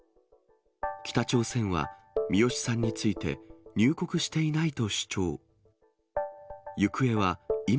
北朝鮮はミヨシさんについて、入国していないと主張。